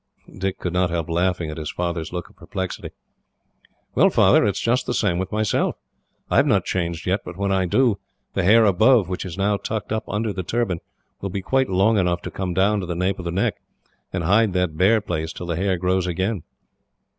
Dick could not help laughing at his father's look of perplexity. "Well, Father, it is just the same with myself. I have not changed yet, but when I do, the hair above, which is now tucked up under the turban, will be quite long enough to come down to the nape of the neck, and hide that bare place till the hair grows again."